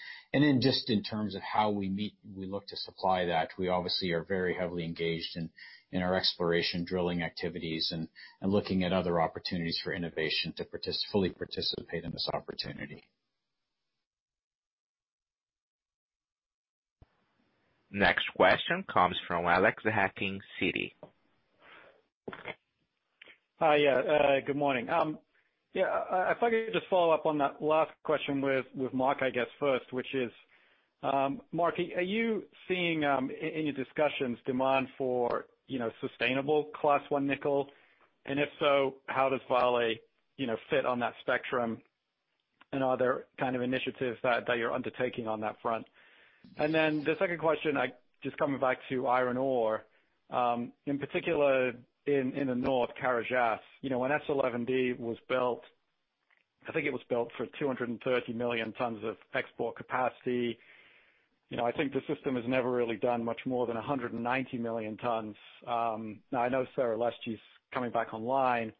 Just in terms of how we look to supply that, we obviously are very heavily engaged in our exploration drilling activities and looking at other opportunities for innovation to fully participate in this opportunity. Next question comes from Alex Hacking, Citi. Hi. Good morning. If I could just follow up on that last question with Mark, I guess first, which is, Mark, are you seeing, in your discussions, demand for sustainable Class 1 nickel? If so, how does Vale fit on that spectrum, and are there initiatives that you're undertaking on that front? The second question, just coming back to iron ore. In particular in the North, Carajás. When S11D was built, I think it was built for 230 million tons of export capacity. I think the system has never really done much more than 190 million tons. I know Serra Leste's coming back online.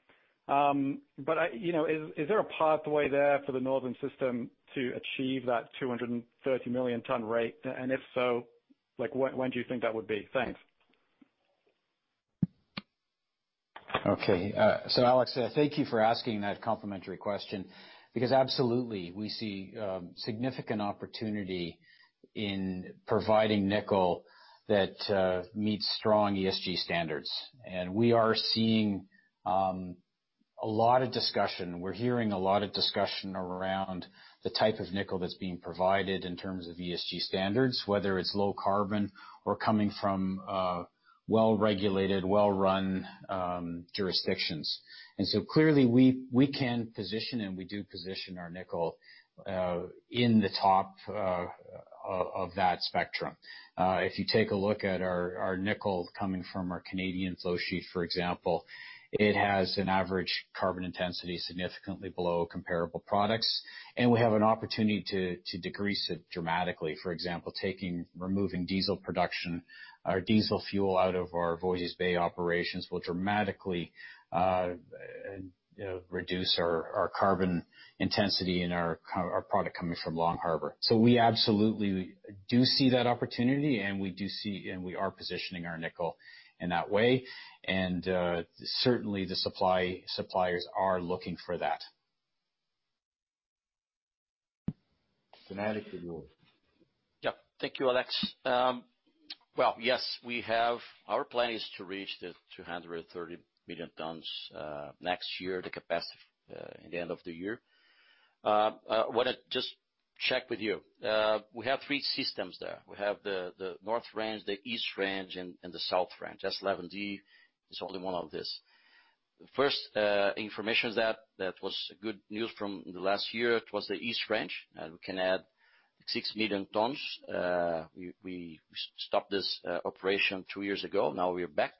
Is there a pathway there for the northern system to achieve that 230 million ton rate? If so, when do you think that would be? Thanks. Alex, thank you for asking that complimentary question, because absolutely, we see significant opportunity in providing nickel that meets strong ESG standards. We are seeing a lot of discussion. We're hearing a lot of discussion around the type of nickel that's being provided in terms of ESG standards, whether it's low carbon or coming from well-regulated, well-run jurisdictions. Clearly we can position, and we do position our nickel in the top of that spectrum. If you take a look at our nickel coming from our Canadian flow sheet, for example, it has an average carbon intensity significantly below comparable products, and we have an opportunity to decrease it dramatically. For example, removing diesel production or diesel fuel out of our Voisey's Bay operations will dramatically reduce our carbon intensity in our product coming from Long Harbour. We absolutely do see that opportunity, and we are positioning our nickel in that way. Certainly the suppliers are looking for that. Spinelli, you're. Yeah. Thank you, Alex. Well, yes. Our plan is to reach the 230 million tons next year, the capacity in the end of the year. I want to just check with you. We have three systems there. We have the North Range, the East Range, and the South Range. S11D is only one of this. First information that was good news from the last year. It was the East Range. We can add six million tons. We stopped this operation two years ago. Now we are back.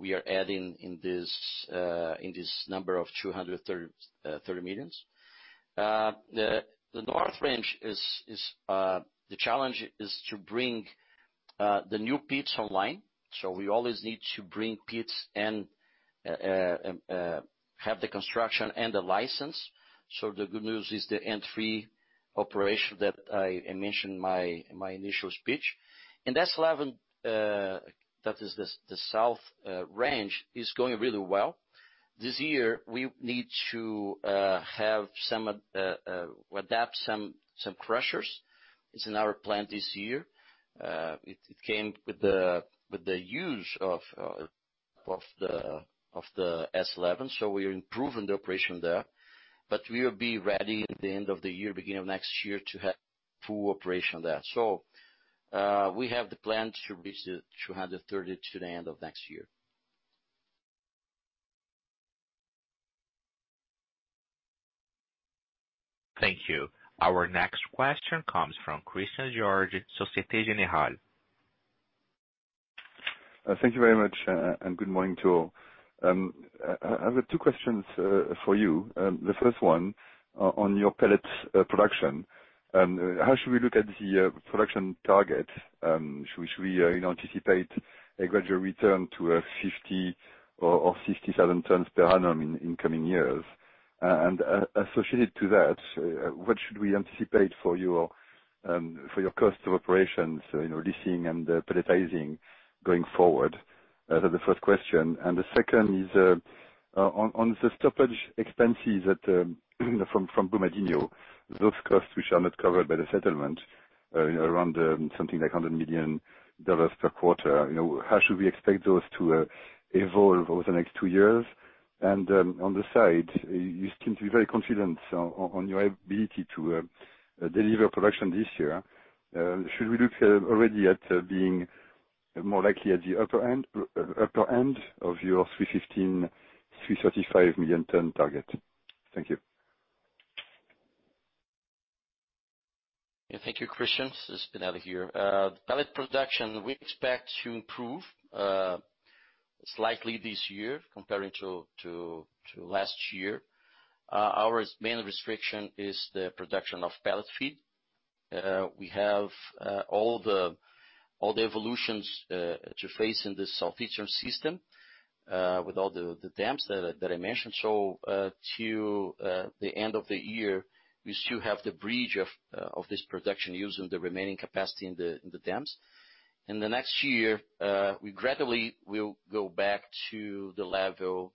We are adding in this number of 230 millions. The North Range, the challenge is to bring the new pits online. We always need to bring pits and have the construction and the license. The good news is the N3 operation that I mentioned in my initial speech. In S11D, that is the South Range, is going really well. This year, we need to adapt some crushers. It's in our plan this year. It came with the use of the S11D. We are improving the operation there, but we will be ready at the end of the year, beginning of next year to have full operation there. We have the plan to reach the 230 to the end of next year. Thank you. Our next question comes from Christian Georg, Société Générale. Thank you very much. Good morning to all. I have two questions for you. The first one on your pellets production. How should we look at the production target? Should we anticipate a gradual return to a 50,000 or 60,000 tons per annum in coming years? Associated to that, what should we anticipate for your cost of operations, leasing and pelletizing going forward? That the first question. The second is on the stoppage expenses that from Brumadinho, those costs which are not covered by the settlement, around something like $100 million per quarter. How should we expect those to evolve over the next two years? On the side, you seem to be very confident on your ability to deliver production this year. Should we look already at being more likely at the upper end of your 315, 335 million ton target? Thank you. Yeah, thank you, Christian. This is Spinelli here. Pellets production, we expect to improve slightly this year comparing to last year. Our main restriction is the production of pellet feed. We have all the evolutions to face in the southeastern system with all the dams that I mentioned. To the end of the year, we still have the bridge of this production using the remaining capacity in the dams. In the next year, we gradually will go back to the level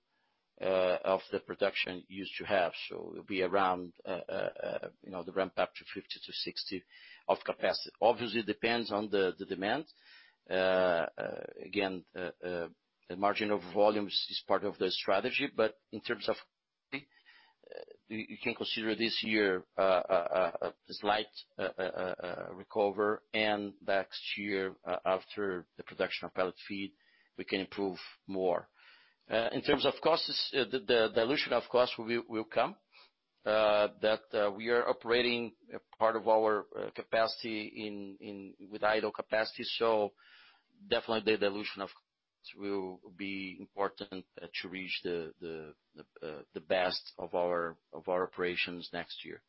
of the production used to have. It'll be around the ramp-up to 50-60 of capacity. Obviously, it depends on the demand. Again, the margin of volumes is part of the strategy, but in terms of you can consider this year a slight recovery, and next year, after the production of pellet feed, we can improve more. In terms of costs, the dilution of cost will come, that we are operating a part of our capacity with idle capacity. Definitely the dilution of costs will be important to reach the best of our operations next year.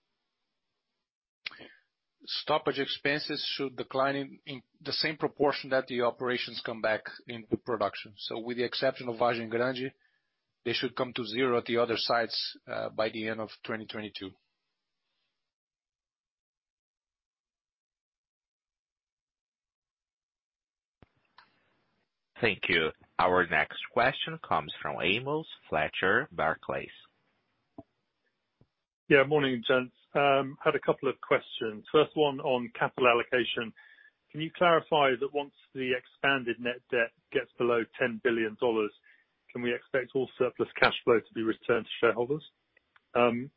Stoppage expenses should decline in the same proportion that the operations come back into production. With the exception of Vargem Grande, they should come to zero at the other sites by the end of 2022. Thank you. Our next question comes from Amos Fletcher, Barclays. Yeah, morning, gents. Had a couple of questions. First one on capital allocation. Can you clarify that once the expanded net debt gets below $10 billion, can we expect all surplus cash flow to be returned to shareholders?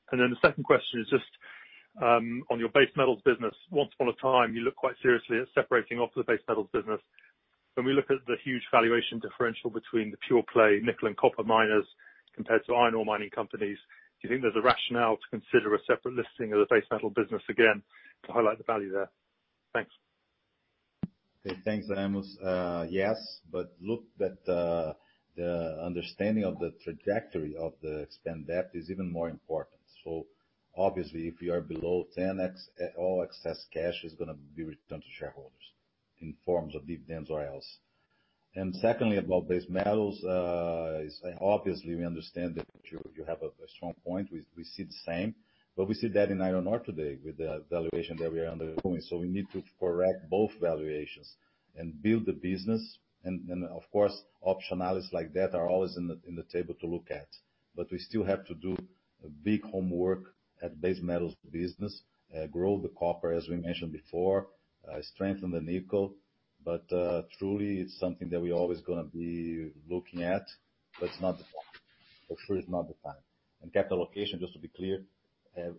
The second question is just on your Base Metals business. Once upon a time, you looked quite seriously at separating off the Base Metals business. When we look at the huge valuation differential between the pure play nickel and copper miners compared to iron ore mining companies, do you think there's a rationale to consider a separate listing of the Base Metals business again to highlight the value there? Thanks. Okay. Thanks, Amos. Yes, look at the understanding of the trajectory of the expanded debt is even more important. Obviously, if you are below 10x, all excess cash is going to be returned to shareholders in forms of dividends or else. Secondly, about base metals, obviously we understand that you have a strong point. We see the same. We see that in iron ore today with the valuation that we are undergoing. We need to correct both valuations and build the business. Of course, optionalities like that are always in the table to look at. We still have to do big homework at base metals business, grow the copper as we mentioned before, strengthen the nickel. Truly it's something that we're always going to be looking at, but for sure it's not the time. Capital allocation, just to be clear,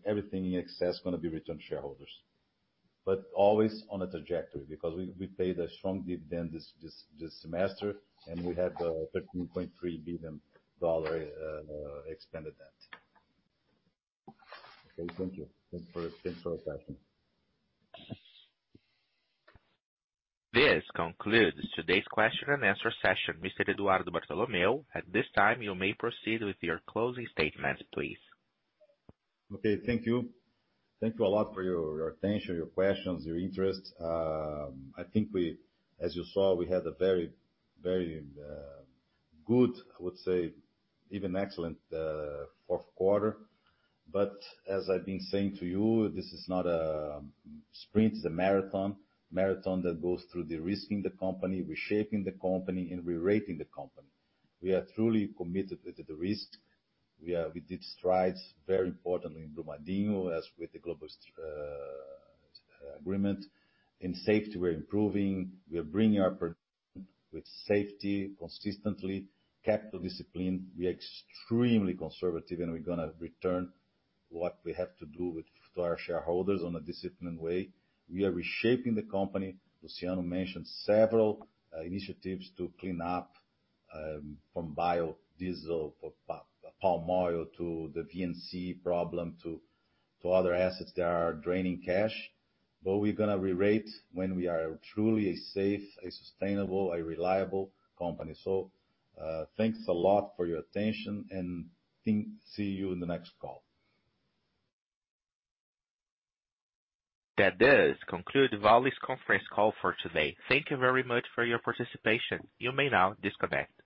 everything in excess is going to be returned to shareholders. Always on a trajectory because we paid a strong dividend this semester and we had the $13.3 billion expanded debt. Okay, thank you. Thanks for the question. This concludes today's question and answer session. Mr. Eduardo Bartolomeo, at this time you may proceed with your closing statement, please. Okay. Thank you. Thank you a lot for your attention, your questions, your interest. I think as you saw, we had a very good, I would say even excellent, Q4. As I've been saying to you, this is not a sprint, it's a marathon. Marathon that goes through derisking the company, reshaping the company, and rerating the company. We are truly committed to the risk. We did strides very importantly in Brumadinho as with the global agreement. In safety, we're improving. We're bringing our with safety consistently. Capital discipline, we are extremely conservative and we're gonna return what we have to do to our shareholders in a disciplined way. We are reshaping the company. Luciano mentioned several initiatives to clean up from biodiesel, from palm oil to the VNC problem to other assets that are draining cash. We're gonna rerate when we are truly a safe, a sustainable, a reliable company. Thanks a lot for your attention and see you in the next call. That does conclude Vale's conference call for today. Thank you very much for your participation. You may now disconnect.